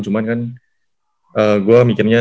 cuman kan gue mikirnya